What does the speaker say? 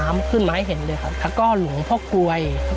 ความเชื่อของเราที่หลักเลยทางร้านจะบูชากองค์ปู่ทาเวสวัน